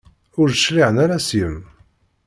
Ur d-cliɛen ara seg-m?